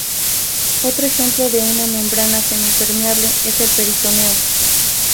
Otro ejemplo de una membrana semipermeable es el peritoneo.